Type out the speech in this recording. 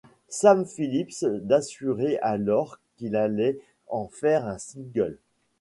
Sam Phillips d'assurer alors qu'il allait en faire un single.